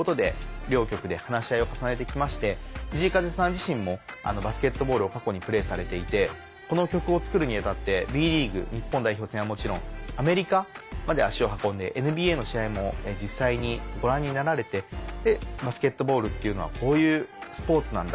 自身もバスケットボールを過去にプレーされていてこの曲を作るにあたってＢリーグ日本代表戦はもちろんアメリカまで足を運んでＮＢＡの試合も実際にご覧になられて「バスケットボールっていうのはこういうスポーツなんだ」。